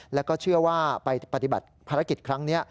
แล้วก็เชื่อว่าไปปฏิบัติภารกิจครั้งนี้